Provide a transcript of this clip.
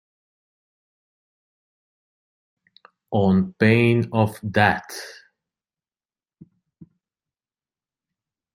On pain of death.